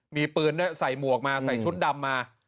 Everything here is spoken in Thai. มีปืนด้วยใส่หมวกมาใส่ชุดดำมา